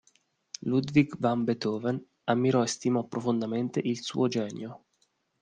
Ludwig van Beethoven ammirò e stimò profondamente il suo genio.